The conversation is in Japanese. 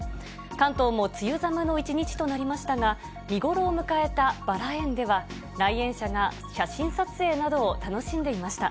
関東も梅雨寒の一日となりましたが、見頃を迎えたバラ園では、来園者が写真撮影などを楽しんでいました。